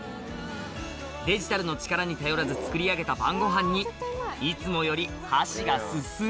デジタルの力に頼らず作り上げた晩ごはんにいつもより箸が進む！